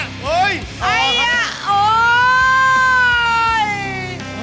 ไอ้ยาโอ้โฮ